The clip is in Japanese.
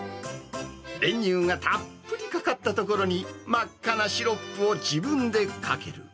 練乳がたっぷりかかったところに、真っ赤なシロップを自分でかける。